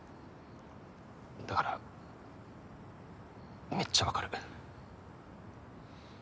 だからめっちゃわかる。